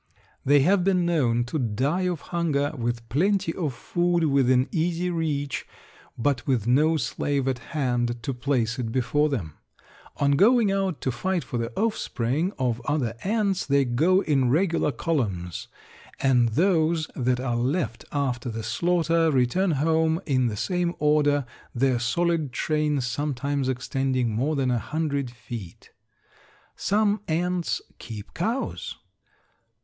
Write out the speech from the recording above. They have been known to die of hunger with plenty of food within easy reach, but with no slave at hand to place it before them. In going out to fight for the offspring of other ants they go in regular columns, and those that are left after the slaughter return home in the same order, their solid trains sometimes extending more than a hundred feet. Some ants keep cows.